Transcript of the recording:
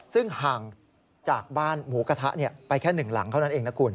ซึ่งห่างจากบ้านหมูกระทะไปแค่๑หลังเท่านั้นเองนะคุณ